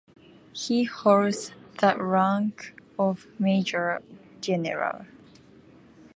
He holds the rank of major general.